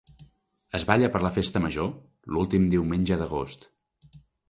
Es balla per la Festa Major, l'últim diumenge d'agost.